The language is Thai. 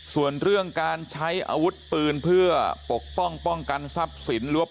ส่วนเรื่องการใช้อาวุธปืนเพื่อปกป้องป้องกันทรัพย์สินหรือว่า